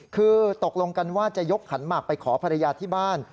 คือตกลงกันว่าจะยกขันหมากไปขอภรรยาที่บ้าน